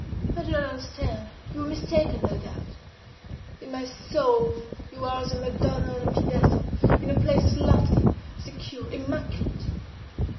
I do not understand. You were mistaken, no doubt. In my soul you are as a Madonna on a pedestal, in a place lofty, secure, immaculate.